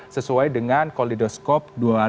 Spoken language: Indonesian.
sesuai dengan kolidoskop dua ribu dua puluh